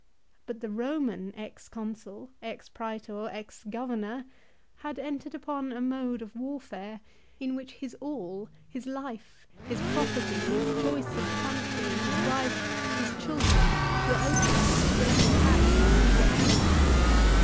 But the Eoman Ex Consul, Ex Prsetor, Ex Governor, had entered upon a mode of war fare in which his all, his life, his property, his choice of country, his wife, his children, were open to the ready attacks of his eager enemies.